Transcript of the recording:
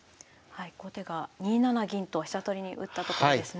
後手が２七銀と飛車取りに打ったところですね。